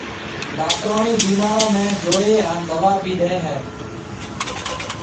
ڊاڪٽروڻِي بيمارون نَي جوئي هانَ دوا ڀِي ڏي هيَ۔